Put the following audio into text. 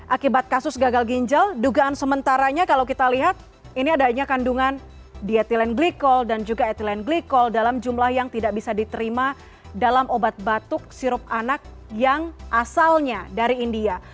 akibat kasus gagal ginjal dugaan sementaranya kalau kita lihat ini adanya kandungan dietilen glikol dan juga etilen glikol dalam jumlah yang tidak bisa diterima dalam obat batuk sirup anak yang asalnya dari india